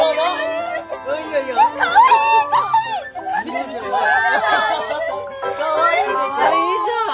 かわいいじゃん。